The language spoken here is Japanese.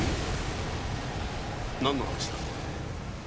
何の話だ？